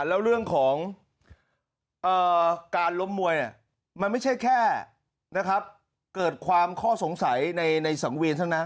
แล้วเรื่องของการล้มมวยมันไม่ใช่แค่เกิดความข้อสงสัยในสังเวียนเท่านั้น